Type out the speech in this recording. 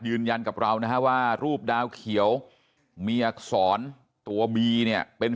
ยืนยันกับเรานะฮะว่ารูปดาวเขียวมีอักษรตัวบีเนี่ยเป็น